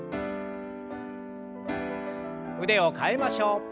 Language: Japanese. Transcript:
腕を替えましょう。